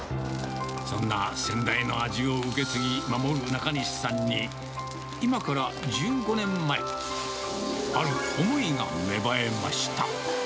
そんな先代の味を受け継ぎ、守る中西さんに、今から１５年前、ある思いが芽生えました。